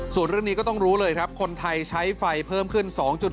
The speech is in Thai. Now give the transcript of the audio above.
ส่วนเรื่องนี้ก็ต้องรู้เลยครับคนไทยใช้ไฟเพิ่มขึ้น๒๗